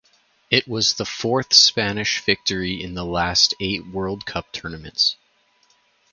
It was the fourth Spanish victory in the last eight World Cup tournaments.